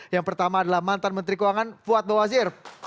yang pertama adalah mantan menteri keuangan fuad bawazir